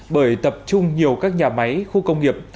bởi tập trung nhiều các nhà máy khu công nghiệp